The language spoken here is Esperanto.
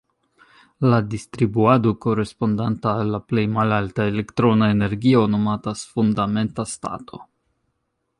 La distribuado korespondanta al la plej malalta elektrona energio nomatas "fundamenta stato".